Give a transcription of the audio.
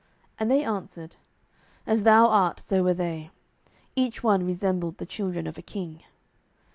And they answered, As thou art, so were they; each one resembled the children of a king.